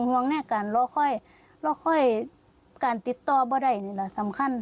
หวังแน่กันแล้วค่อยการติดต่อไม่ได้นี่แหละสำคัญ